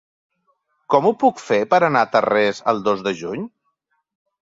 Com ho puc fer per anar a Tarrés el dos de juny?